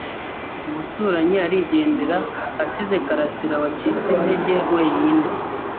Umuturanyi arigendera asize Karasirawacitse intege wenyine.